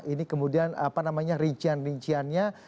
ini kemudian apa namanya rincian rinciannya